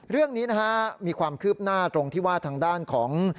เรื่องนี้นะฮะมีความคืบหน้าตรงที่ว่าทางด้านของ